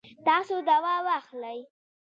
تاسو دوا واخلئ